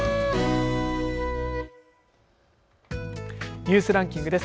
ニュースランキングです。